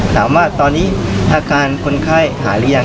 ถามว่าตอนนี้อาการคนไข้หายหรือยัง